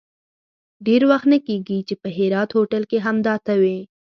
ډېر وخت نه کېږي چې په هرات هوټل کې همدا ته وې.